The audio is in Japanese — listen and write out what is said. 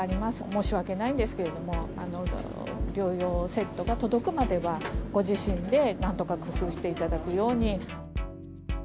申し訳ないんですけれども、療養セットが届くまでは、ご自身でなんとか工夫していただくように。